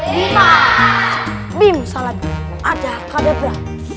bima bim salam ada kodebra